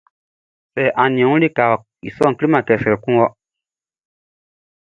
Sɛ a nian ɔ wun likaʼn, i sɔʼn kleman kɛ srɛ kun wɔ.